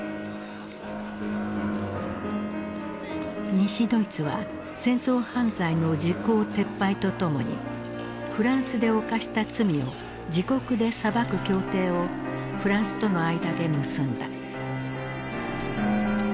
西ドイツは戦争犯罪の時効撤廃とともにフランスで犯した罪を自国で裁く協定をフランスとの間で結んだ。